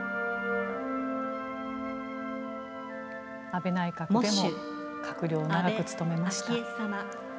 安倍内閣でも閣僚を長く務めました。